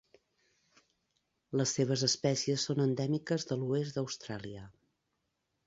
Les seves espècies són endèmiques de l'oest d'Austràlia.